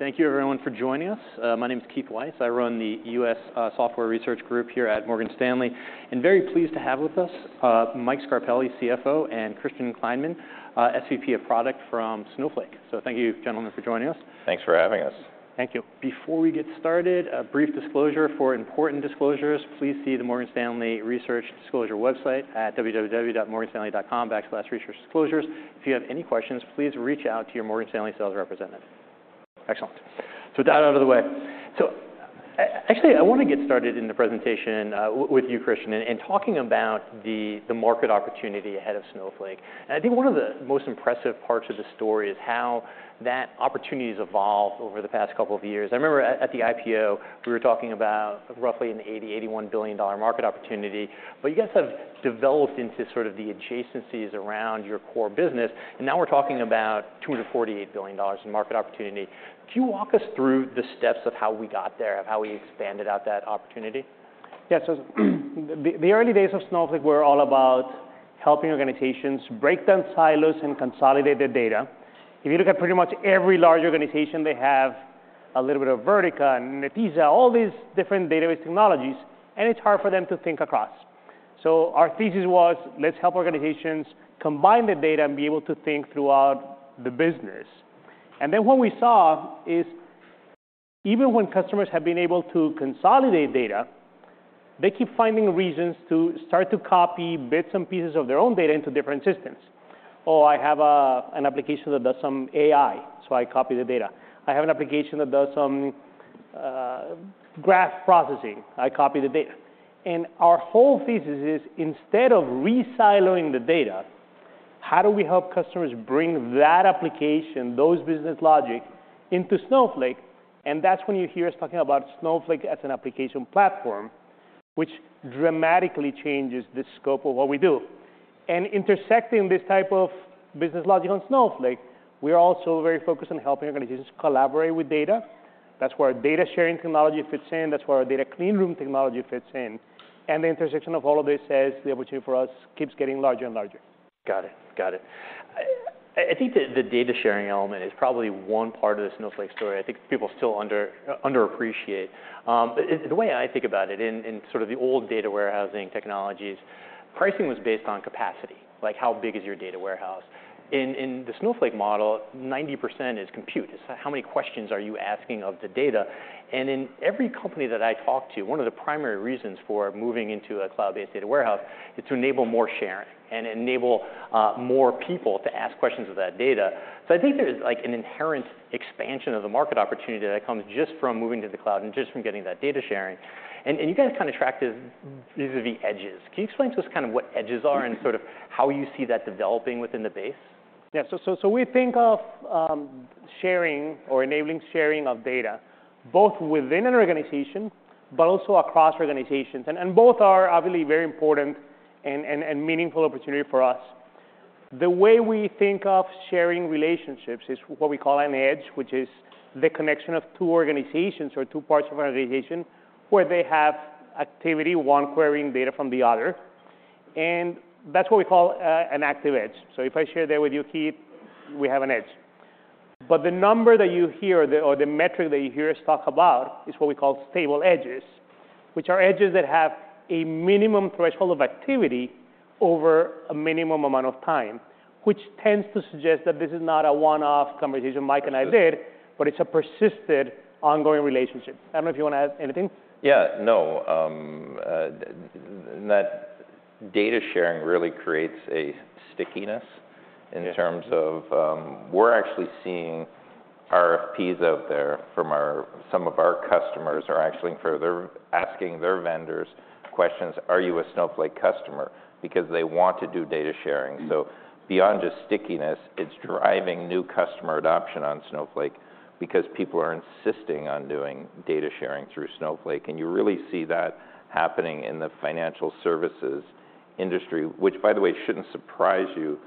Thank you everyone for joining us. My name's Keith Weiss. I run the U.S. software research group here at Morgan Stanley, and very pleased to have with us Mike Scarpelli, CFO, and Christian Kleinerman, SVP of Product from Snowflake. Thank you, gentlemen, for joining us. Thanks for having us. Thank you. Before we get started, a brief disclosure. For important disclosures, please see the Morgan Stanley research disclosure website at www.morganstanley.com/researchdisclosures. If you have any questions, please reach out to your Morgan Stanley sales representative. Excellent. With that out of the way. Actually I want to get started in the presentation with you, Christian, in talking about the market opportunity ahead of Snowflake. I think one of the most impressive parts of the story is how that opportunity's evolved over the past couple of years. I remember at the IPO, we were talking about roughly an $80 billion-$81 billion market opportunity, but you guys have developed into sort of the adjacencies around your core business, and now we're talking about a $2 billion-$48 billion in market opportunity. Could you walk us through the steps of how we got there, of how we expanded out that opportunity? Yeah. The early days of Snowflake were all about helping organizations break down silos and consolidate their data. If you look at pretty much every large organization, they have a little bit of Vertica and Netezza, all these different database technologies, and it's hard for them to think across. Our thesis was, let's help organizations combine the data and be able to think throughout the business. What we saw is even when customers have been able to consolidate data, they keep finding reasons to start to copy bits and pieces of their own data into different systems. "Oh, I have a, an application that does some AI, so I copy the data. I have an application that does some graph processing. I copy the data." Our whole thesis is instead of re-siloing the data, how do we help customers bring that application, those business logic, into Snowflake? That's when you hear us talking about Snowflake as an application platform, which dramatically changes the scope of what we do. Intersecting this type of business logic on Snowflake, we are also very focused on helping organizations collaborate with data. That's where our data sharing technology fits in, that's where our Data Clean Room technology fits in. The intersection of all of this says the opportunity for us keeps getting larger and larger. Got it. Got it. I think the data sharing element is probably one part of the Snowflake story I think people still under appreciate. The way I think about it, in sort of the old data warehousing technologies, pricing was based on capacity, like how big is your data warehouse? In the Snowflake model, 90% is compute. It's how many questions are you asking of the data? In every company that I talk to, one of the primary reasons for moving into a cloud-based data warehouse is to enable more sharing and enable more people to ask questions of that data. I think there's, like, an inherent expansion of the market opportunity that comes just from moving to the cloud and just from getting that data sharing. You guys kind of tracked this, these are the edges. Can you explain to us kind of what edges are and sort of how you see that developing within the base? Yeah. We think of sharing or enabling sharing of data both within an organization but also across organizations. Both are obviously very important and meaningful opportunity for us. The way we think of sharing relationships is what we call an edge, which is the connection of two organizations or two parts of an organization where they have activity, one querying data from the other, and that's what we call an active edge. If I share data with you, Keith, we have an edge. The number that you hear or the metric that you hear us talk about is what we call stable edges, which are edges that have a minimum threshold of activity over a minimum amount of time, which tends to suggest that this is not a one-off conversation Mike and I. Absolutely It's a persisted ongoing relationship. I don't know if you want to add anything. Yeah. No. That data sharing really creates a stickiness- Yeah ... in terms of, we're actually seeing RFPs out there from our, some of our customers are actually further asking their vendors questions, "Are you a Snowflake customer?" Because they want to do data sharing. Mm. Beyond just stickiness, it's driving new customer adoption on Snowflake because people are insisting on doing data sharing through Snowflake, and you really see that happening in the financial services industry, which by the way, shouldn't surprise you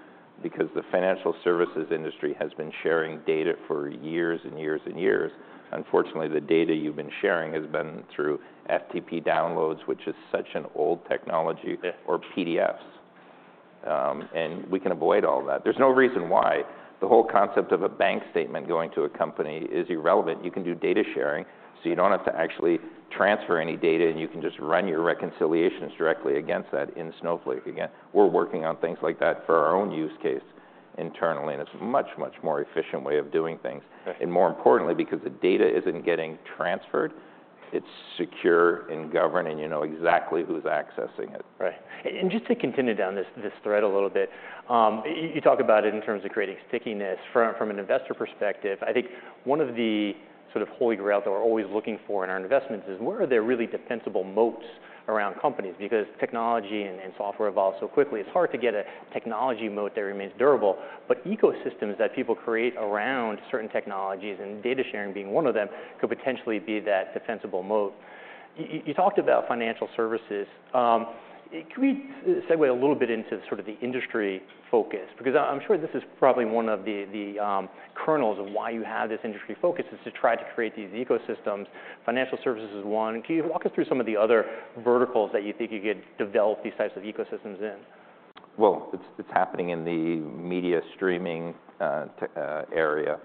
because the financial services industry has been sharing data for years and years and years. Unfortunately, the data you've been sharing has been through FTP downloads, which is such an old technology. Yeah... or PDFs. We can avoid all that. There's no reason why the whole concept of a bank statement going to a company is irrelevant. You can do data sharing, so you don't have to actually transfer any data, and you can just run your reconciliations directly against that in Snowflake. Again, we're working on things like that for our own use case internally, and it's a much more efficient way of doing things. Right. More importantly, because the data isn't getting transferred, it's secure, and governed, and you know exactly who's accessing it. Right. Just to continue down this thread a little bit, you talk about it in terms of creating stickiness. From an investor perspective, I think one of the sort of holy grail that we're always looking for in our investments is where are there really defensible moats around companies? Because technology and software evolves so quickly, it's hard to get a technology moat that remains durable, but ecosystems that people create around certain technologies, and data sharing being one of them, could potentially be that defensible moat. You talked about financial services. Can we segue a little bit into sort of the industry focus? Because I'm sure this is probably one of the kernels of why you have this industry focus is to try to create these ecosystems. Financial services is one. Can you walk us through some of the other verticals that you think you could develop these types of ecosystems in? Well, it's happening in the media streaming area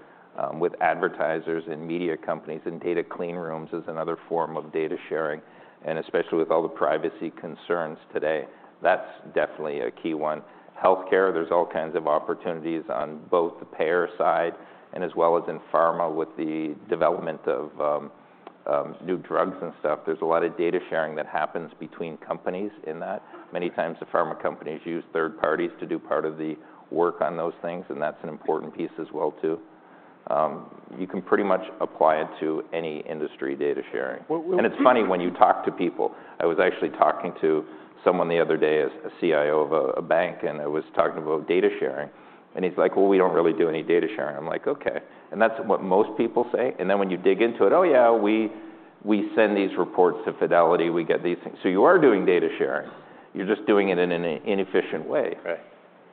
with advertisers and media companies, and Data Clean Rooms is another form of data sharing, and especially with all the privacy concerns today. That's definitely a key one. Healthcare, there's all kinds of opportunities on both the payer side and as well as in pharma with the development of new drugs and stuff. There's a lot of data sharing that happens between companies in that. Many times the pharma companies use third parties to do part of the work on those things, and that's an important piece as well too. You can pretty much apply it to any industry, data sharing. Well. It's funny, when you talk to people. I was actually talking to someone the other day, a CIO of a bank. I was talking about data sharing, and he's like, "Well, we don't really do any data sharing." I'm like, "Okay." That's what most people say. Then when you dig into it, "Oh yeah, we send these reports to Fidelity. We get these things." You are doing data sharing, you're just doing it in an inefficient way. Right.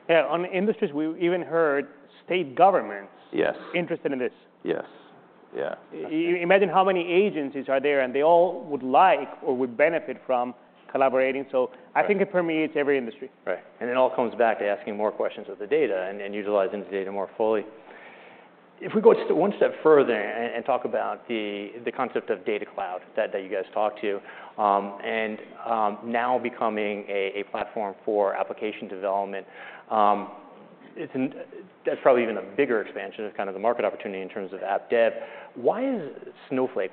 Yeah, on industries, we even heard state governments- Yes... interested in this. Yes. Yeah. That's true. Imagine how many agencies are there. They all would like or would benefit from collaborating. Right... I think it permeates every industry. Right. It all comes back to asking more questions of the data and utilizing the data more fully. If we go one step further and talk about the concept of Data Cloud that you guys talked to, now becoming a platform for application development, That's probably even a bigger expansion of kind of the market opportunity in terms of app dev. Why is Snowflake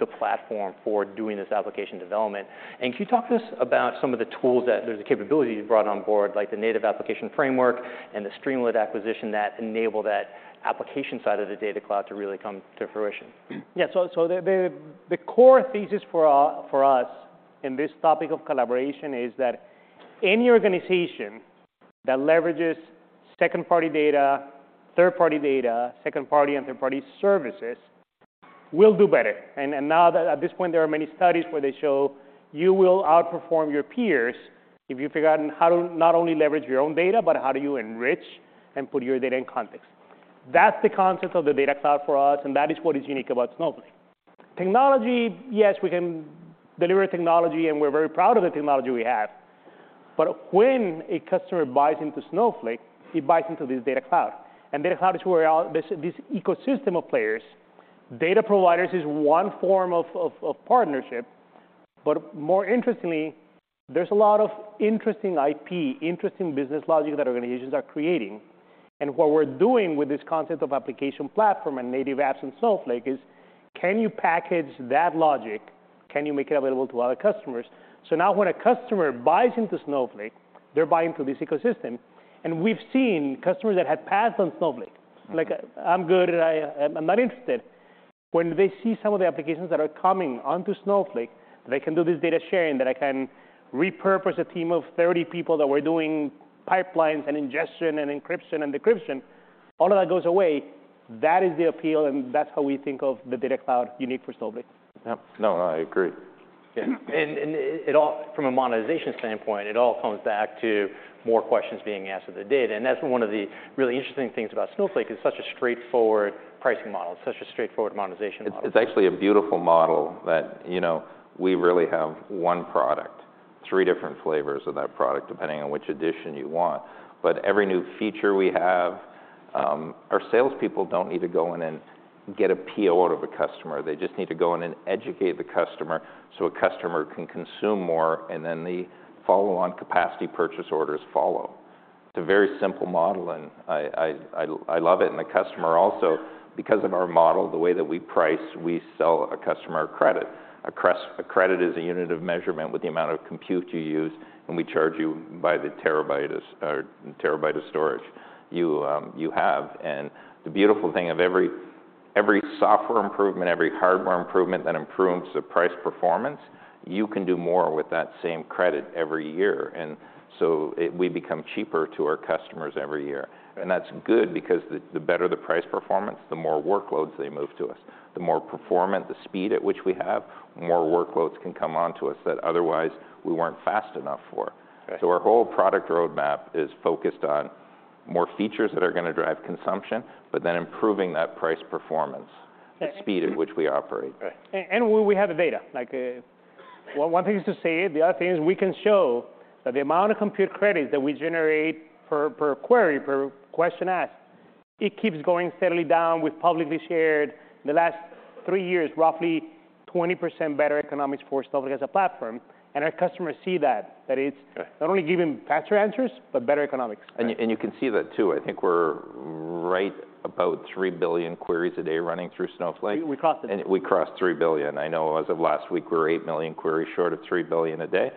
the platform for doing this application development? Can you talk to us about some of the tools, the capabilities you brought on board, like the Native Application Framework and the Streamlit acquisition that enable that application side of the Data Cloud to really come to fruition? The core thesis for us in this topic of collaboration is that any organization that leverages second-party data, third-party data, second-party and third-party services will do better. Now that at this point there are many studies where they show you will outperform your peers if you figure out how to not only leverage your own data, but how do you enrich and put your data in context. That's the concept of the Data Cloud for us, and that is what is unique about Snowflake. Technology, yes, we can deliver technology, and we're very proud of the technology we have, but when a customer buys into Snowflake, he buys into this Data Cloud. Data Cloud is where all this ecosystem of players. Data providers is one form of partnership, but more interestingly, there's a lot of interesting IP, interesting business logic that organizations are creating. What we're doing with this concept of application platform and Native Apps in Snowflake is, can you package that logic? Can you make it available to other customers? Now when a customer buys into Snowflake, they're buying into this ecosystem, and we've seen customers that had passed on Snowflake- Mm-hmm... like, "I'm good. I'm not interested." When they see some of the applications that are coming onto Snowflake, that I can do this data sharing, that I can repurpose a team of 30 people that were doing pipelines and ingestion and encryption and decryption, all of that goes away, that is the appeal, and that's how we think of the Data Cloud unique for Snowflake. Yep. No, I agree. Yeah. It all, from a monetization standpoint, it all comes back to more questions being asked of the data. That's one of the really interesting things about Snowflake. It's such a straightforward pricing model. It's such a straightforward monetization model. It's actually a beautiful model that, you know, we really have one product, three different flavors of that product, depending on which edition you want. Every new feature we have, our salespeople don't need to go in and get a PO out of a customer. They just need to go in and educate the customer so a customer can consume more. The follow-on capacity purchase orders follow. It's a very simple model, I love it. The customer also, because of our model, the way that we price, we sell a customer credit. A credit is a unit of measurement with the amount of compute you use, and we charge you by the terabyte of storage you have. The beautiful thing of every software improvement, every hardware improvement that improves the price performance, you can do more with that same credit every year. We become cheaper to our customers every year. That's good because the better the price performance, the more workloads they move to us. The more performant the speed at which we have, more workloads can come onto us that otherwise we weren't fast enough for. Right. Our whole product roadmap is focused on more features that are gonna drive consumption, but then improving that price performance. Yeah. The speed at which we operate. Right. We have the data. Like, one thing is to say it, the other thing is we can show that the amount of compute credit that we generate per query, per question asked, it keeps going steadily down. We've publicly shared the last three years, roughly 20% better economics for Snowflake as a platform. Our customers see that it's- Right... not only giving faster answers, but better economics. You can see that too. I think we're right about 3 billion queries a day running through Snowflake. We crossed it. We crossed 3 billion. I know as of last week we were 8 million queries short of 3 billion a day.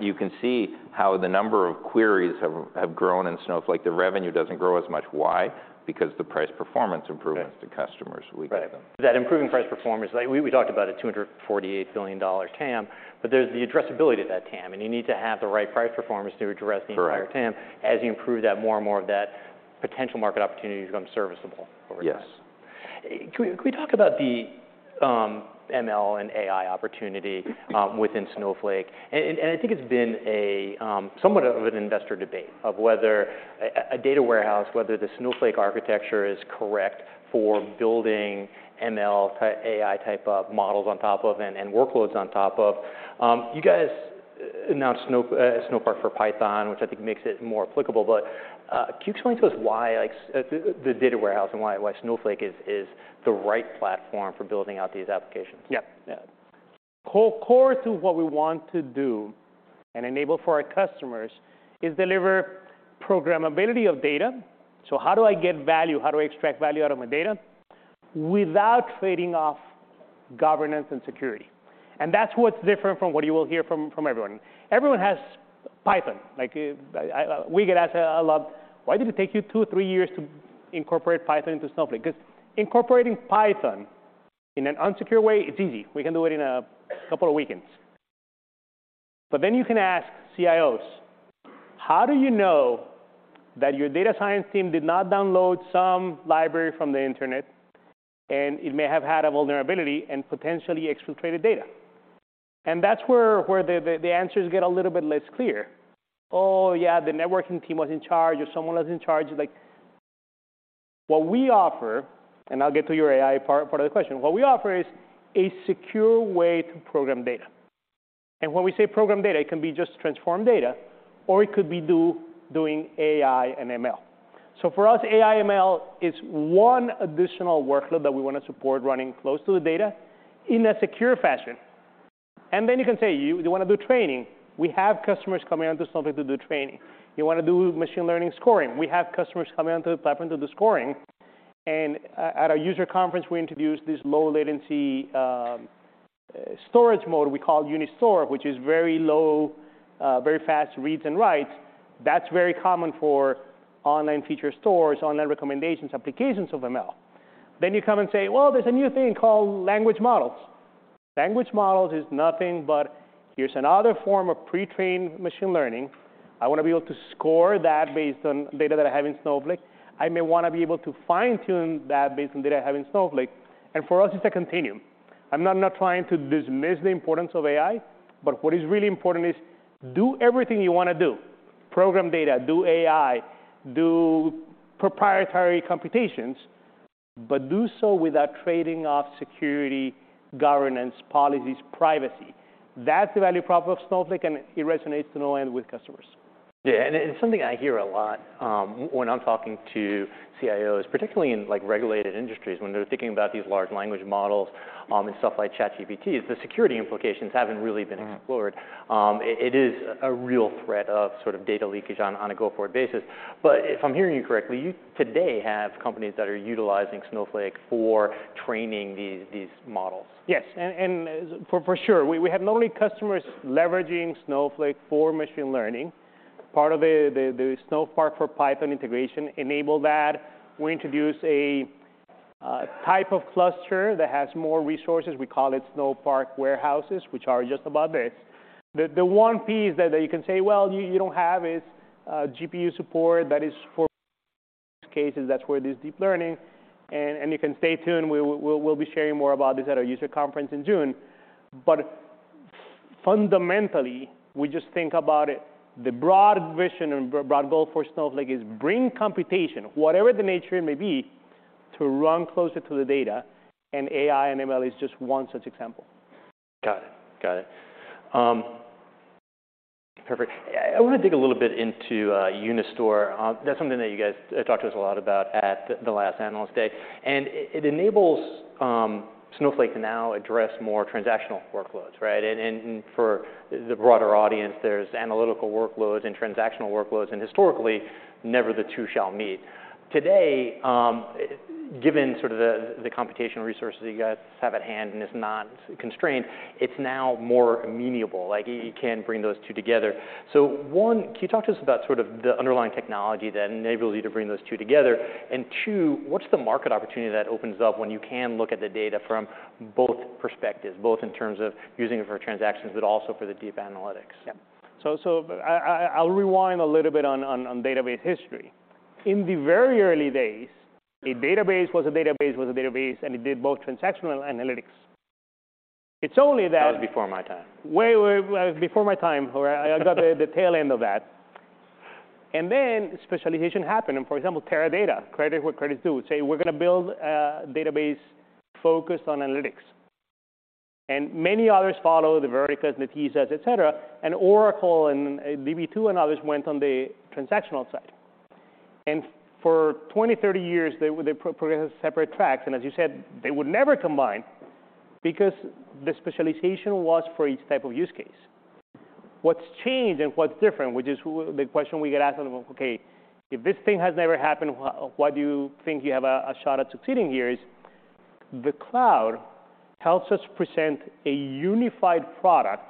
You can see how the number of queries have grown in Snowflake. The revenue doesn't grow as much. Why? Because the price performance improvements-. Right... to customers. We give them. Right. That improving price performance, like we talked about a $248 billion TAM, but there's the addressability to that TAM, and you need to have the right price performance to address the entire TAM. Correct. As you improve that, more and more of that potential market opportunity has become serviceable over time. Yes. Can we talk about the ML and AI opportunity within Snowflake? I think it's been a somewhat of an investor debate of whether a data warehouse, whether the Snowflake architecture is correct for building ML AI type of models on top of and workloads on top of. You guys announced Snowpark for Python, which I think makes it more applicable, but can you explain to us why, like, the data warehouse and why Snowflake is the right platform for building out these applications? Yeah, yeah. core to what we want to do and enable for our customers is deliver programmability of data. How do I get value? How do I extract value out of my data? Without trading off governance and security. That's what's different from what you will hear from everyone. Everyone has Python. Like, we get asked a lot, "Why did it take you two, three years to incorporate Python into Snowflake?" 'Cause incorporating Python in an unsecure way, it's easy. We can do it in a couple of weekends. You can ask CIOs, "How do you know that your data science team did not download some library from the internet, and it may have had a vulnerability, and potentially exfiltrated data?" That's where the answers get a little bit less clear. Oh, yeah, the networking team was in charge, or someone was in charge," like. What we offer, and I'll get to your AI part of the question, what we offer is a secure way to program data. When we say program data, it can be just transformed data, or it could be doing AI and ML. For us, AI, ML is one additional workload that we wanna support running close to the data in a secure fashion. Then you can say you wanna do training. We have customers coming on to Snowflake to do training. You wanna do machine learning scoring. We have customers coming onto the platform, do the scoring. At our user conference, we introduced this low latency storage mode we call Unistore, which is very low, very fast reads and writes. That's very common for online feature stores, online recommendations, applications of ML. You come and say, "Well, there's a new thing called language models." Language models is nothing but here's another form of pre-trained machine learning. I wanna be able to score that based on data that I have in Snowflake. I may wanna be able to fine-tune that based on data I have in Snowflake. For us, it's a continuum. I'm not trying to dismiss the importance of AI, but what is really important is do everything you wanna do, program data, do AI, do proprietary computations, but do so without trading off security, governance, policies, privacy. That's the value prop of Snowflake, and it resonates to no end with customers. Yeah. It's something I hear a lot, when I'm talking to CIOs, particularly in, like, regulated industries, when they're thinking about these large language models, and stuff like ChatGPT, is the security implications haven't really been explored. Mm. It is a real threat of sort of data leakage on a go-forward basis. If I'm hearing you correctly, you today have companies that are utilizing Snowflake for training these models? Yes. For sure. We have not only customers leveraging Snowflake for machine learning. Part of the Snowpark for Python integration enable that. We introduce a type of cluster that has more resources. We call it Snowpark warehouses, which are just about this. The one piece that you can say, well, you don't have is GPU support, that is for cases, that's where it is deep learning. You can stay tuned. We'll be sharing more about this at our user conference in June. Fundamentally, we just think about it, the broad vision and broad goal for Snowflake is bring computation, whatever the nature it may be, to run closer to the data, and AI and ML is just one such example. Got it. Got it. Perfect. I wanna dig a little bit into Unistore. That's something that you guys talked to us a lot about at the last Analyst Day. It enables Snowflake to now address more transactional workloads, right? For the broader audience, there's analytical workloads and transactional workloads, and historically, never the two shall meet. Today, given sort of the computational resources you guys have at hand, and it's not constrained, it's now more amenable. Like you can bring those two together. One, can you talk to us about sort of the underlying technology that enables you to bring those two together? Two, what's the market opportunity that opens up when you can look at the data from both perspectives, both in terms of using it for transactions, but also for the deep analytics? Yeah. I'll rewind a little bit on database history. In the very early days, a database was a database, was a database, and it did both transactional and analytics. It's only that... That was before my time. Way, way before my time, or I got the tail end of that. Then specialization happened, and for example, Teradata, credit where credit's due. Say we're gonna build a database focused on analytics. Many others follow, the Verticas, Netezzas, et cetera. Oracle and Db2 and others went on the transactional side. For 20, 30 years, they progressed separate tracks, and as you said, they would never combine because the specialization was for each type of use case. What's changed and what's different, which is the question we get asked, "Okay, if this thing has never happened, why do you think you have a shot at succeeding here?" is the cloud helps us present a unified product,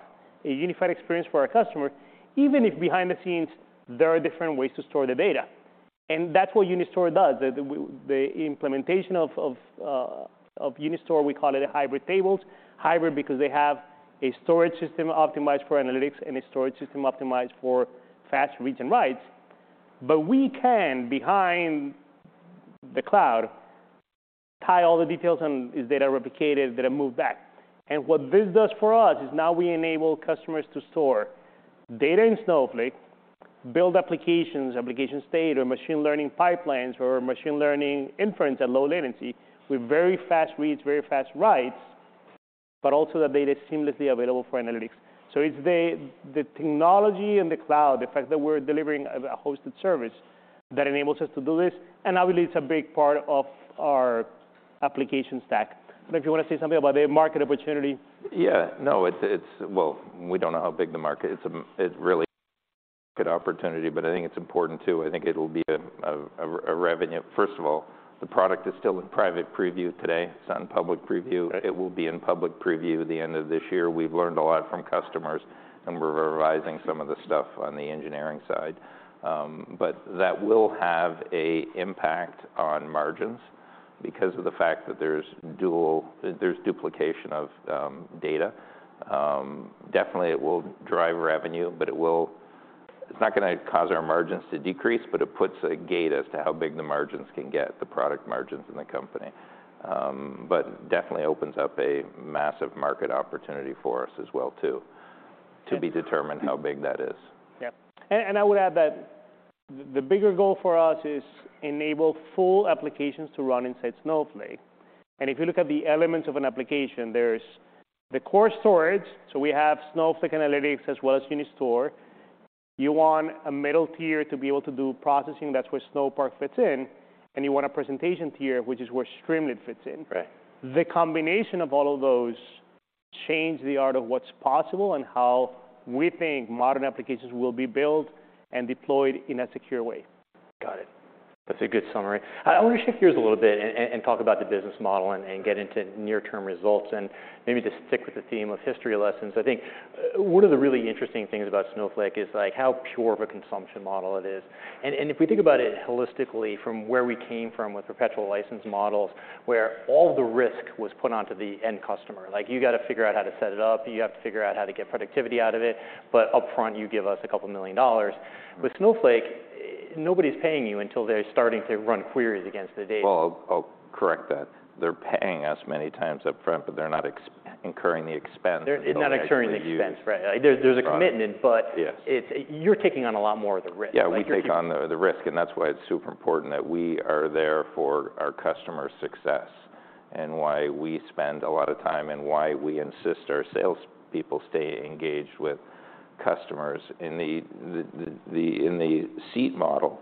a unified experience for our customer, even if behind the scenes, there are different ways to store the data. That's what Unistore does. The implementation of Unistore, we call it Hybrid Tables. Hybrid because they have a storage system optimized for analytics and a storage system optimized for fast reads and writes. We can, behind the cloud, tie all the details on is data replicated, data moved back. What this does for us is now we enable customers to store data in Snowflake, build applications, application state, or machine learning pipelines, or machine learning inference at low latency with very fast reads, very fast writes, but also the data is seamlessly available for analytics. It's the technology and the cloud, the fact that we're delivering a hosted service that enables us to do this, and I believe it's a big part of our application stack. I don't know if you want to say something about the market opportunity. Yeah. No, it's. Well, we don't know how big the market is. It really could be a good opportunity, but I think it's important, too. I think it'll be a revenue. First of all, the product is still in private preview today. It's not in public preview. Right. It will be in public preview at the end of this year. We've learned a lot from customers, and we're revising some of the stuff on the engineering side. That will have an impact on margins because of the fact that there's duplication of data. Definitely it will drive revenue, but it's not gonna cause our margins to decrease, but it puts a gate as to how big the margins can get, the product margins in the company. Definitely opens up a massive market opportunity for us as well, too. And- To be determined how big that is. Yeah. I would add that the bigger goal for us is enable full applications to run inside Snowflake. If you look at the elements of an application, there's the core storage, so we have Snowflake analytics, as well as Unistore. You want a middle tier to be able to do processing. That's where Snowpark fits in. You want a presentation tier, which is where Streamlit fits in. Right. The combination of all of those change the art of what's possible, and how we think modern applications will be built and deployed in a secure way. Got it. That's a good summary. I want to shift gears a little bit and talk about the business model, and get into near-term results, maybe just stick with the theme of history lessons. I think one of the really interesting things about Snowflake is, like, how pure of a consumption model it is, and if we think about it holistically from where we came from with perpetual license models, where all the risk was put onto the end customer. Like, you gotta figure out how to set it up, you have to figure out how to get productivity out of it, but upfront you give us a couple million dollars. With Snowflake, nobody's paying you until they're starting to run queries against the data. Well, I'll correct that. They're paying us many times upfront, but they're not incurring the expense... They're not incurring the expense.... until they actually use the product. Right. Like, there's a commitment. Yes... it's... You're taking on a lot more of the risk. Like. Yeah, we take on the risk, and that's why it's super important that we are there for our customers' success, and why we spend a lot of time, and why we insist our sales people stay engaged with customers in the seat model.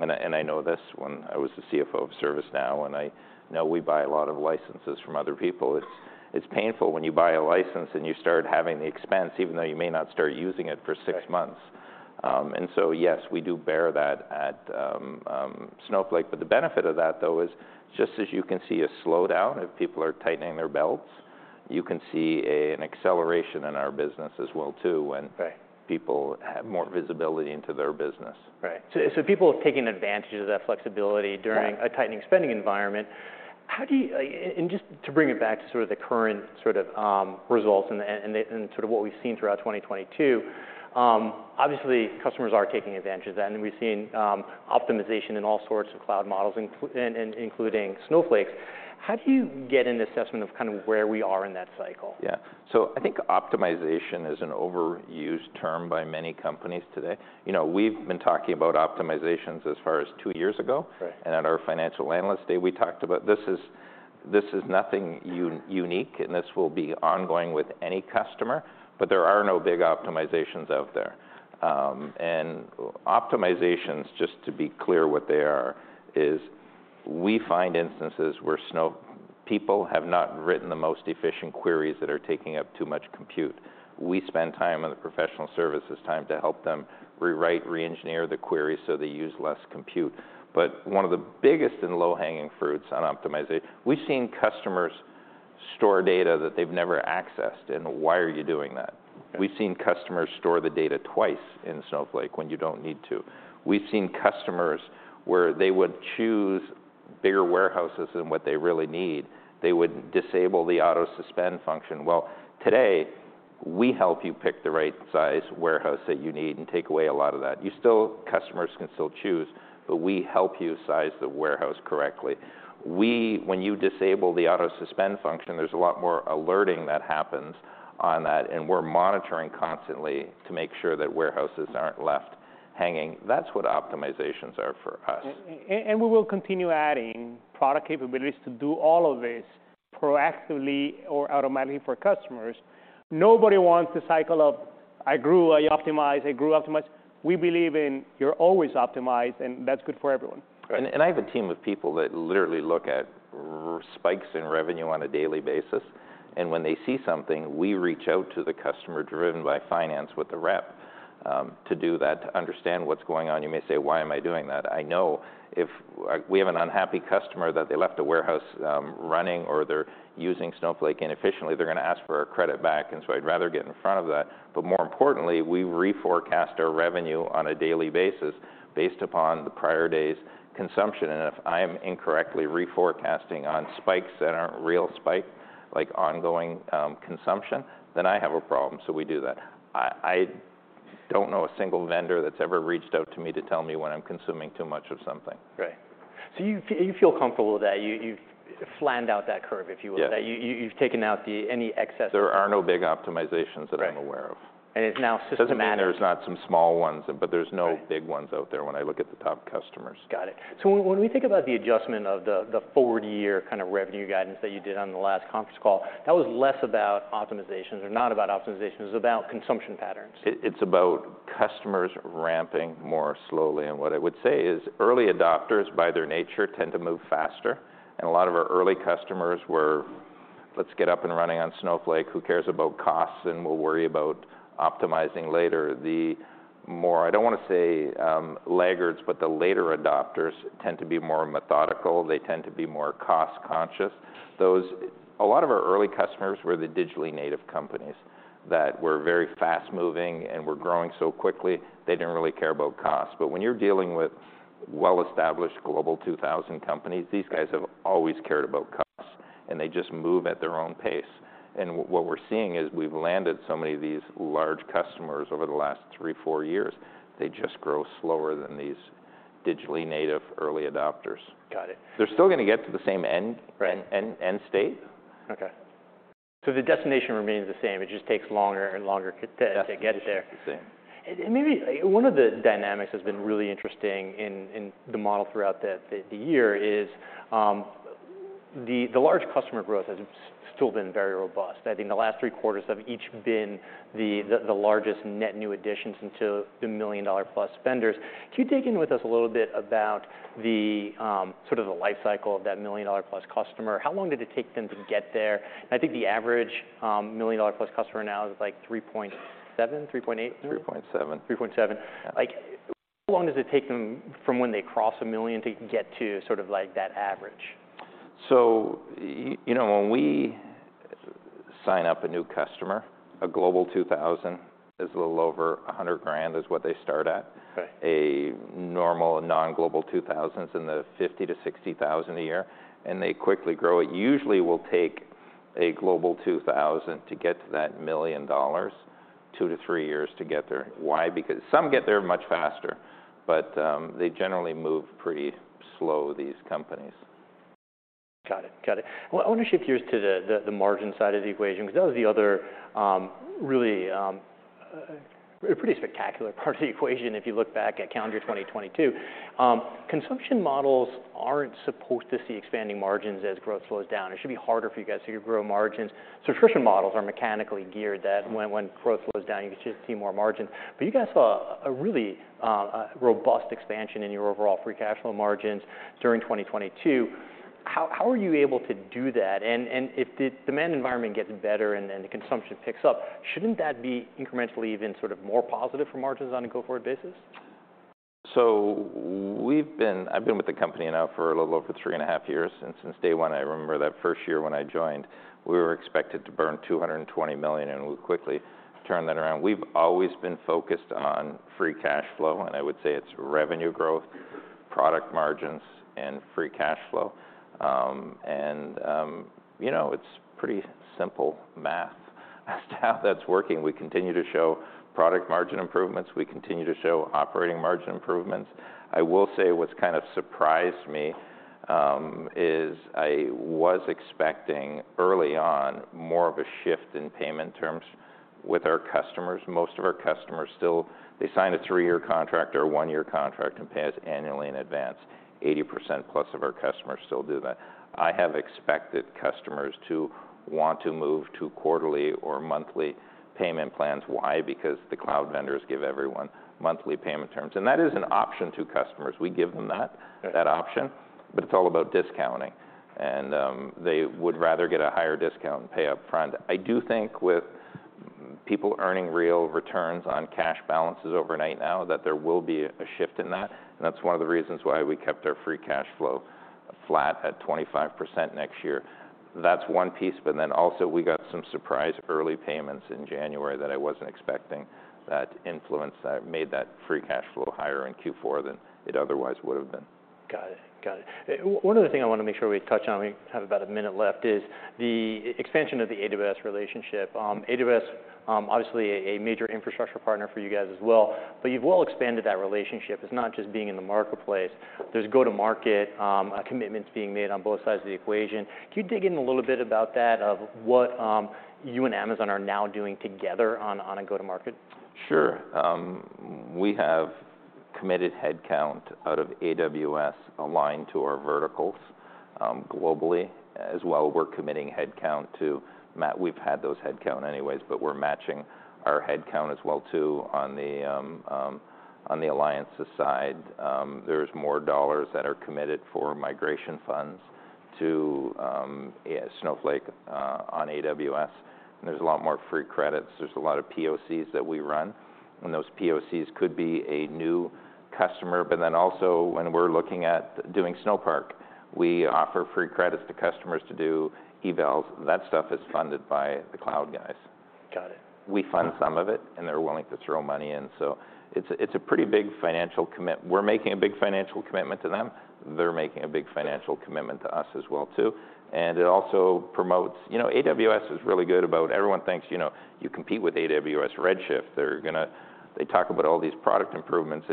I know this. When I was the CFO of ServiceNow, and I know we buy a lot of licenses from other people. It's painful when you buy a license, and you start having the expense even though you may not start using it for six months. Right. Yes, we do bear that at Snowflake. The benefit of that, though, is just as you can see a slowdown if people are tightening their belts, you can see an acceleration in our business as well, too. Right... people have more visibility into their business. Right. people have taken advantage of that flexibility. Yeah... a tightening spending environment. Just to bring it back to sort of the current sort of results, and the sort of what we've seen throughout 2022, obviously customers are taking advantage of that, and we've seen optimization in all sorts of cloud models, and including Snowflake. How do you get an assessment of kind of where we are in that cycle? I think optimization is an overused term by many companies today. You know, we've been talking about optimizations as far as two years ago. Right. At our financial analyst day, we talked about this is, this is nothing unique, and this will be ongoing with any customer, but there are no big optimizations out there. Optimizations, just to be clear what they are, is we find instances where Snowflake people have not written the most efficient queries that are taking up too much compute. We spend time out of professional services time to help them rewrite, re-engineer the queries so they use less compute. One of the biggest and low-hanging fruits on optimization, we've seen customers store data that they've never accessed. Why are you doing that? Yeah. We've seen customers store the data twice in Snowflake when you don't need to. We've seen customers where they would choose bigger warehouses than what they really need. They would disable the auto-suspend function. Well, today we help you pick the right size warehouse that you need, and take away a lot of that. Customers can still choose, but we help you size the warehouse correctly. When you disable the auto-suspend function, there's a lot more alerting that happens on that, and we're monitoring constantly to make sure that warehouses aren't left hanging. That's what optimizations are for us. We will continue adding product capabilities to do all of this proactively or automatically for customers. Nobody wants the cycle of I grew, I optimize, I grew, optimize. We believe in you're always optimized, and that's good for everyone. Right. I have a team of people that literally look at spikes in revenue on a daily basis, and when they see something, we reach out to the customer, driven by finance with the rep, to do that, to understand what's going on? You may say, "Why am I doing that?" I know if we have an unhappy customer, that they left a warehouse running or they're using Snowflake inefficiently, they're gonna ask for a credit back. I'd rather get in front of that. More importantly, we reforecast our revenue on a daily basis based upon the prior day's consumption. If I'm incorrectly reforecasting on spikes that aren't real spikes, like ongoing consumption, then I have a problem. We do that. I don't know a single vendor that's ever reached out to me to tell me when I'm consuming too much of something. Right. So you feel comfortable that you've flattened out that curve, if you will? Yes. That you've taken out the, any excess- There are no big optimizations. Right... that I'm aware of. It's now systematic. Doesn't mean there's not some small ones, but there's no-. Right... big ones out there when I look at the top customers. When we think about the adjustment of the forward year kind of revenue guidance that you did on the last conference call, that was less about optimizations, or not about optimization, it was about consumption patterns. It's about customers ramping more slowly. What I would say is early adopters, by their nature, tend to move faster, and a lot of our early customers were, "Let's get up and running on Snowflake. Who cares about costs? We'll worry about optimizing later." The more, I don't want to say, laggards, but the later adopters tend to be more methodical. They tend to be more cost conscious. A lot of our early customers were the digitally native companies that were very fast-moving, and were growing so quickly they didn't really care about cost. When you're dealing with well-established Global 2000 companies, these guys have always cared about cost, and they just move at their own pace. What we're seeing is we've landed so many of these large customers over the last three, four years, they just grow slower than these digitally native early adopters. Got it. They're still gonna get to the same end... Right... end state. Okay. the destination remains the same, it just takes longer and longer to-. Destination's the same.... to get there. Maybe one of the dynamics that's been really interesting in the model throughout the year is the large customer growth has still been very robust. I think the last three quarters have each been the largest net new additions into the million-dollar-plus spenders. Can you dig in with us a little bit about the sort of the life cycle of that million-dollar-plus customer? How long did it take them to get there? I think the average million-dollar-plus customer now is like 3.7, 3.8? 3.7. 3.7. Yeah. Like, how long does it take them from when they cross $1 million to get to sort of like that average? You know, when we sign up a new customer, a Global 2000 is a little over $100,000 is what they start at. Okay. A normal non-Global 2000 is in the $50,000-$60,000 a year. They quickly grow. It usually will take a Global 2000 to get to that $1 million 2-3 years to get there. Why? Because. Some get there much faster, they generally move pretty slow, these companies. Got it. Got it. I want to shift gears to the margin side of the equation, 'cause that was the other really a pretty spectacular part of the equation if you look back at calendar 2022. Consumption models aren't supposed to see expanding margins as growth slows down. It should be harder for you guys to grow margins. Subscription models are mechanically geared that when growth slows down, you should see more margin. You guys saw a really robust expansion in your overall free cash flow margins during 2022. How are you able to do that? If the demand environment gets better and then the consumption picks up, shouldn't that be incrementally even sort of more positive for margins on a go-forward basis? I've been with the company now for a little over three and a half years. Since day one, I remember that first year when I joined, we were expected to burn $220 million. We quickly turned that around. We've always been focused on free cashflow, I would say it's revenue growth, product margins, and free cashflow. You know, it's pretty simple math as to how that's working. We continue to show product margin improvements. We continue to show operating margin improvements. I will say what's kind of surprised me is I was expecting early on more of a shift in payment terms with our customers. Most of our customers still, they sign a three-year contract or a one-year contract and pay us annually in advance. 80%-plus of our customers still do that. I have expected customers to want to move to quarterly or monthly payment plans. Why? Because the cloud vendors give everyone monthly payment terms. That is an option to customers. We give them that. Right that option, but it's all about discounting. They would rather get a higher discount and pay up front. I do think with people earning real returns on cash balances overnight now, that there will be a shift in that, and that's one of the reasons why we kept our free cashflow flat at 25% next year. That's 1 piece. Also, we got some surprise early payments in January that I wasn't expecting. That influence made that free cashflow higher in Q4 than it otherwise would've been. Got it. One other thing I wanna make sure we touch on, we have about a minute left, is the expansion of the AWS relationship. AWS, obviously a major infrastructure partner for you guys as well, but you've well expanded that relationship. It's not just being in the marketplace. There's go-to-market commitments being made on both sides of the equation. Can you dig in a little bit about that, of what, you and Amazon are now doing together on a go-to-market? Sure. We have committed headcount out of AWS aligned to our verticals globally. We're committing headcount to We've had those headcount anyways, but we're matching our headcount as well too on the alliances side. There's more dollars that are committed for migration funds to Snowflake on AWS, and there's a lot more free credits. There's a lot of POCs that we run, and those POCs could be a new customer. Also when we're looking at doing Snowpark, we offer free credits to customers to do evals. That stuff is funded by the cloud guys. Got it. We fund some of it, and they're willing to throw money in. It's a pretty big financial commitment. We're making a big financial commitment to them. They're making a big financial commitment to us as well too. It also promotes... You know, AWS is really good about everyone thinks, you know, you compete with AWS Redshift. They talk about all these product improvements.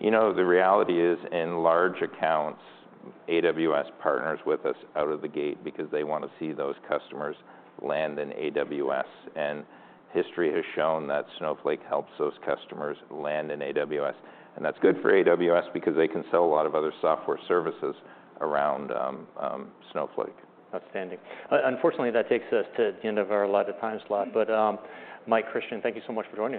You know, the reality is in large accounts, AWS partners with us out of the gate because they wanna see those customers land in AWS. History has shown that Snowflake helps those customers land in AWS, and that's good for AWS because they can sell a lot of other software services around Snowflake. Outstanding. Unfortunately that takes us to the end of our allotted time slot. Mike Christian, thank you so much for joining us.